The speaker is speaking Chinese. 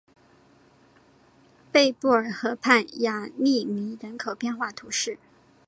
贝布尔河畔雅利尼人口变化图示